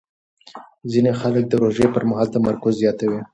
ځینې خلک د روژې پر مهال تمرکز زیاتوي.